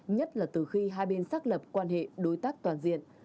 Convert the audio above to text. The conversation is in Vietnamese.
nhất là từ khi hai bên xác lập quan hệ đối tác toàn diện